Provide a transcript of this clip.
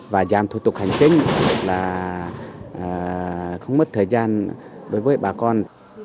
và giảm thủ tục hành chính là không mất thời gian đối với bà con